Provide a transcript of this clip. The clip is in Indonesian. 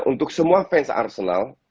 untuk semua fans arsenal